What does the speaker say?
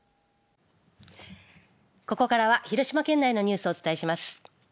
ここからは広島県内のニュースをお伝えします。